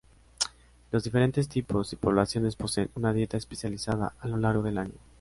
Los diferentes tipos y poblaciones poseen una dieta especializada a lo largo del año.